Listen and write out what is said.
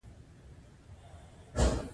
هغه ته د خپل اشنغر د غزل خيزې خاورې